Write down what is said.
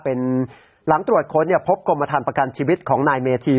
เป็นหลังตรวจค้นพบกรมฐานประกันชีวิตของนายเมธี